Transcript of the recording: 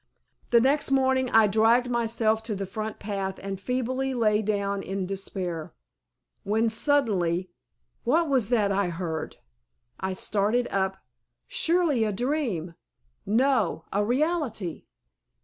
The next morning I dragged myself to the front path and feebly lay down in despair. When suddenly "What was that I heard?" I started up surely a dream No! a reality!!